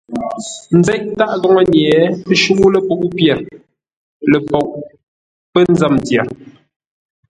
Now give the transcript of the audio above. Nzéʼ tâʼ góŋə́-nye, ə shúʼú lepuʼú pyêr ləpoʼ pə́ nzə́m tyer.